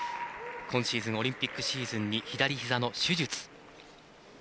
今シーズンオリンピックシーズンに左ひざの手術。